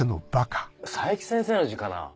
冴木先生の字かな？